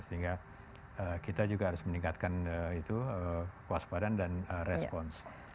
sehingga kita juga harus meningkatkan kewaspadaan dan respons